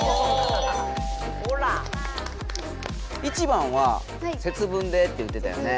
１番は節分でって言ってたよね。